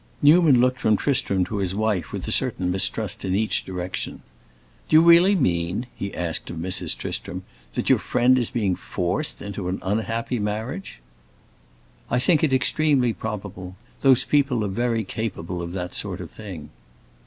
Newman looked from Tristram to his wife with a certain mistrust in each direction. "Do you really mean," he asked of Mrs. Tristram, "that your friend is being forced into an unhappy marriage?" "I think it extremely probable. Those people are very capable of that sort of thing."